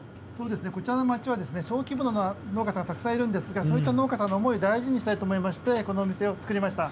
こちらの街は小規模な農家がたくさんいるんですがそういった農家さんの思い、大事にしたいと思いましてこの店を作りました。